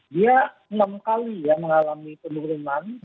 dia enam kali ya mengalami penurunan